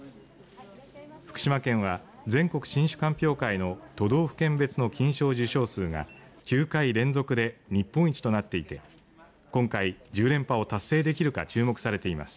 福島県は全国新酒鑑評会の都道府県別の金賞受賞数が９回連続で日本一となっていて今回１０連覇を達成できるか注目されています。